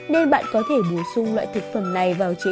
nên bạn có thể bù sung loại thực phẩm này vào chế độ